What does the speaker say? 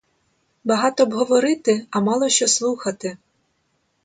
Багато б говорити, а мало що слухати.